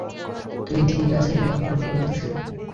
তুই ঠিক আছিস বড্ড ভালো লাগছে!